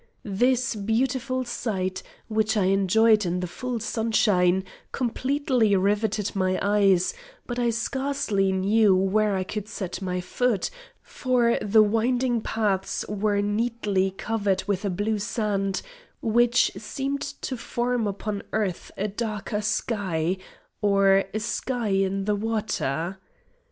This beautiful sight, which I enjoyed in the full sunshine, completely riveted my eyes; but I scarcely knew where I could set my foot, for the winding paths were neatly covered with a blue sand, which seemed to form upon earth a darker sky, or a sky in the water.